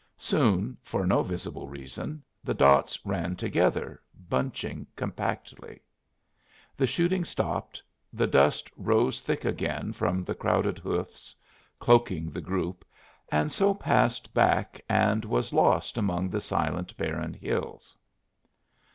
Soon, for no visible reason, the dots ran together, bunching compactly. The shooting stopped, the dust rose thick again from the crowded hoofs, cloaking the group, and so passed back and was lost among the silent barren hills.